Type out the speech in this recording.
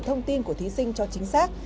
thông tin của thí sinh cho chính xác